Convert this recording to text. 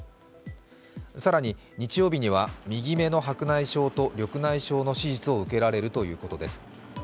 更に、日曜日には右目の白内障と緑内障の手術を受けられるということです。